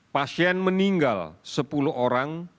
pasien meninggal sepuluh orang